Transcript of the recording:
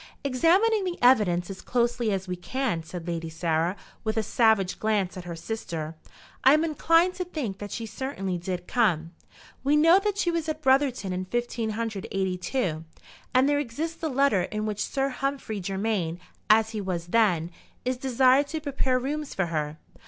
"Examining the evidence as closely as we can," said Lady Sarah, with a savage glance at her sister, "I am inclined to think that she certainly did come. We know that she was at Brotherton in 1582, and there exists the letter in which Sir Humphrey Germaine, as he was then, is desired to prepare rooms for her.